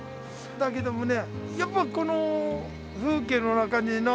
だけどもね